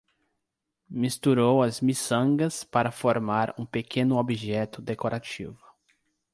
Misturou as miçangas para formar um pequeno objeto decorativo